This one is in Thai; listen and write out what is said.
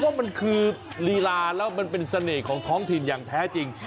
ว่ามันคือลีลาแล้วมันเป็นเสน่ห์ของท้องถิ่นอย่างแท้จริง